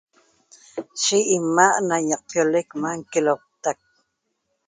Yi 'ima' na ñaqpiolec ma nqueloctac